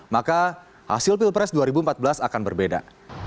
maka hasil pilpres dua ribu empat belas akan berbeda